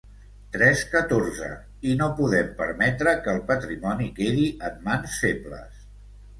Trescatorze–, i no podem permetre que el patrimoni quedi en mans febles.